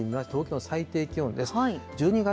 東京の最低気温です。